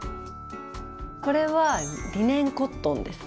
これはリネンコットンです。